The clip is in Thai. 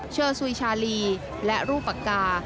เชอสุยชาลีและรูปปากกา